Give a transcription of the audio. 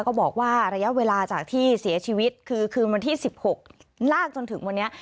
ก็บอกว่าระยะเวลาจากที่เสียชีวิตคือคืนวันที่๑๖ลากจนถึงวันนี้